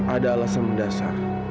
ada alasan mendasar